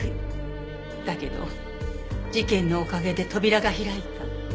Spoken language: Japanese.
だけど事件のおかげで扉が開いた。